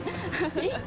えっ？